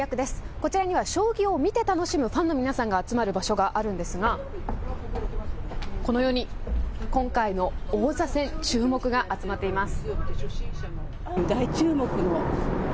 こちらには将棋を見て楽しむファンの皆さんが集まる場所があるんですがこのように今回の王座戦、注目が集まっています。